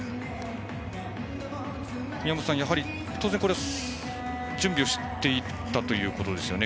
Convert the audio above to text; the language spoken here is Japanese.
宮本さん、当然準備をしていたということですよね。